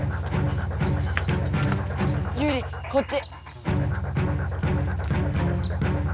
ユウリこっち！